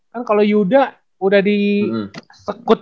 kan kalau yuda udah disekutu